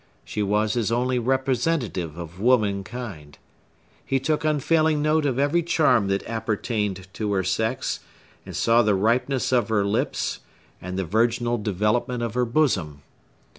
She was his only representative of womankind. He took unfailing note of every charm that appertained to her sex, and saw the ripeness of her lips, and the virginal development of her bosom.